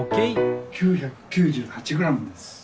９９８グラムです。